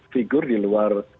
figur di luar